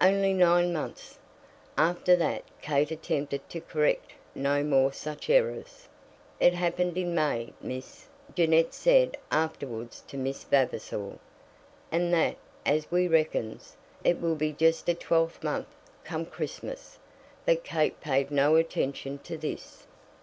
"Only nine months!" After that Kate attempted to correct no more such errors. "It happened in May, Miss," Jeannette said afterwards to Miss Vavasor, "and that, as we reckons, it will be just a twelvemonth come Christmas." But Kate paid no attention to this.